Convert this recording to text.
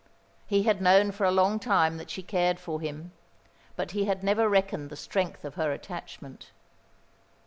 He had known for a long time that she cared for him; but he had never reckoned the strength of her attachment.